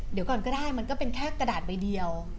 เดี๋ยวก่อนก็ได้มันก็เป็นแค่กระดาษใบเดียว